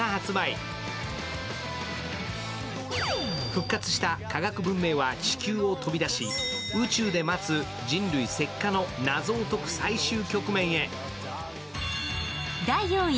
復活した科学文明は地球を飛び出し宇宙で待つ人類石化の謎を解く最終局面へ。